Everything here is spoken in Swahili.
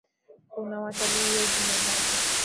Kuna watalii wegi Mombasa.